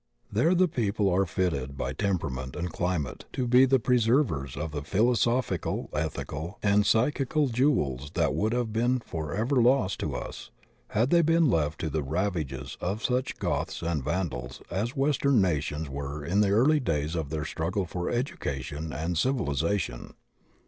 There the people are fitted by temperament and climate to be the preserv ers of tiie philosophical, ethical, and psychical jewels tiiat would have been forever lost to us had they been left to the ravages of such Goths and Vandals as west em nations were in the early days of their struggle for education and civilization.